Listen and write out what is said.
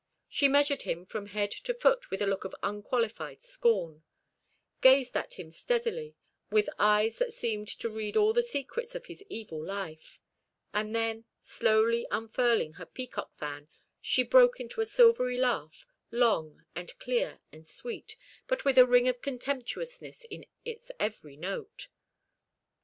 She measured him from head to foot with a look of unqualified scorn; gazed at him steadily, with eyes that seemed to read all the secrets of his evil life; and then, slowly unfurling her peacock fan, she broke into a silvery laugh, long and clear and sweet, but with a ring of contemptuousness in its every note.